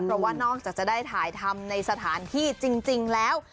เพราะว่านอกจากจะได้ถ่ายทำในสถานที่จริงแล้ว